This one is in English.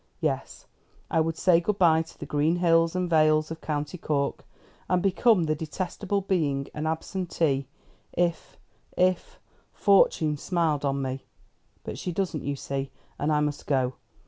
Yes, I would say good bye to the green hills and vales of County Cork, and become that detestable being, an absentee, if if Fortune smiled on me. But she doesn't, you see, and I must go.